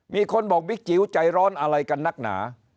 มีคนบอกบิ๊กจิ๋วใจร้อนอะไรกันนักหนา